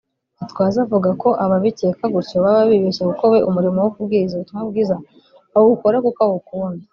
Gitwaza avuga ko ababikeka gutyo baba bibeshya kuko we umurimo wo kubwiriza ubutumwa bwiza awukora kuko awukunda